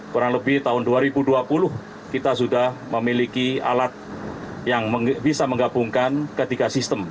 kurang lebih tahun dua ribu dua puluh kita sudah memiliki alat yang bisa menggabungkan ketiga sistem